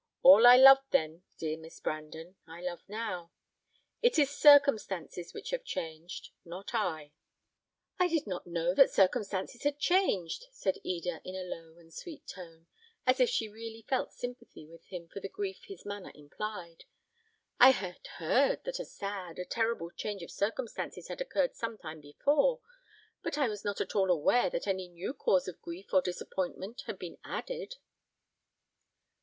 All I loved then, dear Miss Brandon, I love now. It is circumstances which have changed, not I." "I did not know that circumstances had changed," said Eda, in a low and sweet tone, as if she really felt sympathy with him for the grief his manner implied. "I had heard that a sad, a terrible change of circumstances had occurred some time before; but I was not at all aware that any new cause of grief or disappointment had been added."